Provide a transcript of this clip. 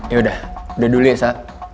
yaudah udah dulu ya sa